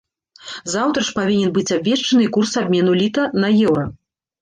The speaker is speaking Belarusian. Заўтра ж павінен быць абвешчаны і курс абмену літа на еўра.